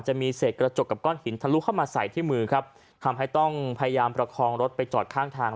จะมีเศษกระจกกับก้อนหินทะลุเข้ามาใส่ที่มือครับทำให้ต้องพยายามประคองรถไปจอดข้างทาง